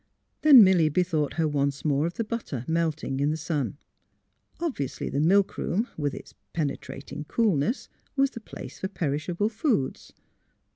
Then Milly bethought her once more of the butter melting in the sun. Obviously the milkroom, with its penetrating coolness, was the place for perishable foods.